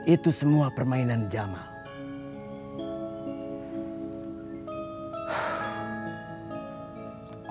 itu semua permainan jamal